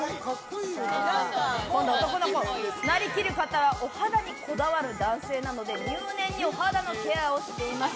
この男の子、なりきる時はお肌にこだわる男性なので入念にお肌のケアをしています。